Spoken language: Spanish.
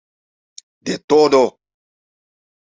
De todo".